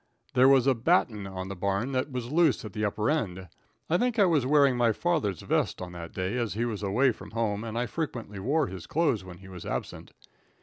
There was a "batten" on the barn that was loose at the upper end. I think I was wearing my father's vest on that day, as he was away from home, and I frequently wore his clothes when he was absent.